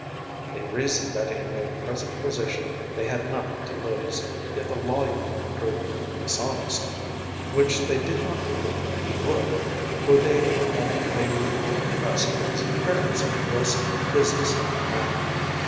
They reasoned that in their present position they had nothing to lose, if the lawyer proved dishonest, which they did not believe he would, for they were all favorably impressed with his appearance and brisk, business like manner.